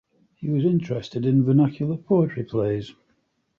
He was interested in vernacular poetry plays.